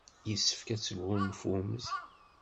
Yessefk ad sgunfunt.